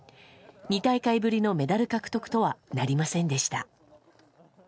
２大会ぶりのメダル獲得とはなりませんでした。